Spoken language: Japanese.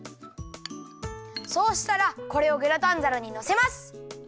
そうしたらこれをグラタンざらにのせます。